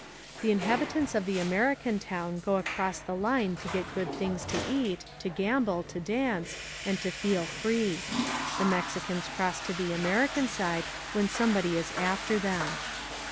The inhabitants of the American town go across the line to get good things to eat, to gamble, to dance, and to feel free; the Mexicans cross to the American side when somebody is after them.